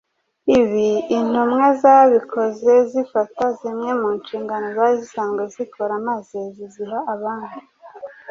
Ibi intumwa zabikoze zifata zimwe mu nshingano zari zisanzwe zikora maze ziziha abandi.